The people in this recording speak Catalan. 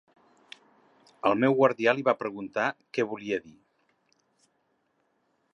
El meu guardià li va preguntar què volia dir.